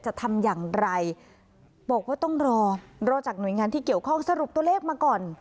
จะทำอย่างไรบอกว่าต้องรอรอจากหน่วยงานที่เกี่ยวข้องสรุปตัวเลขมาก่อน